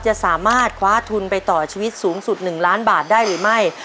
จะสามารถคว้าทุนไปต่อชีวิตสูงสุด๑ล้านบาทได้หรือไม่